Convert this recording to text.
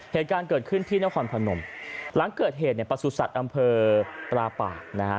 เหตุการณ์เกิดขึ้นที่นครพนมหลังเกิดเหตุเนี่ยประสุทธิ์อำเภอตราป่านะฮะ